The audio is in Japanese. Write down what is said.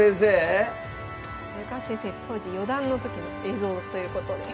当時四段の時の映像ということです。